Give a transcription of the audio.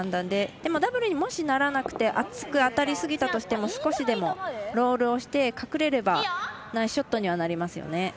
でもダブルに、もしならなくて厚く当たりすぎたとしても少しでもロールをして隠れればナイスショットにはなりますよね。